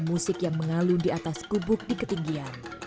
musik yang mengalun di atas gubuk di ketinggian